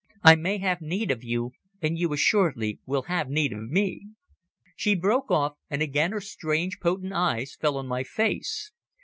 I may have need of you, and you assuredly will have need of me...." She broke off, and again her strange potent eyes fell on my face.